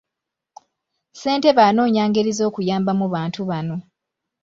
Ssentebe anoonya ngeri z'okuyambamu bantu bano.